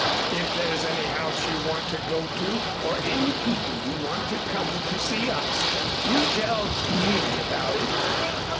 If there's any house you want to go to or any people you want to come to see us, you tell me about it.